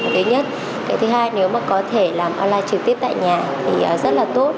thứ nhất thứ hai nếu mà có thể làm online trực tiếp tại nhà thì rất là tốt